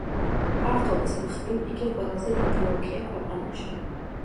ფართობის მხრივ იგი ყველაზე დიდი ოლქია ქვეყანაში.